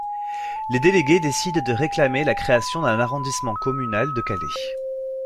Les délégués décident de réclamer la création d'un arrondissement communal de Calais.